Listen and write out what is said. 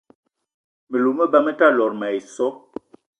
Me lou me ba me ta lot mayi so.